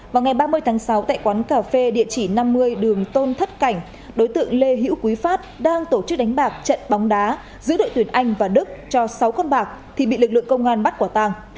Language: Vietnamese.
vào ngày ba mươi tháng sáu tại quán cà phê địa chỉ năm mươi đường tôn thất cảnh đối tượng lê hữu quý phát đang tổ chức đánh bạc trận bóng đá giữa đội tuyển anh và đức cho sáu con bạc thì bị lực lượng công an bắt quả tàng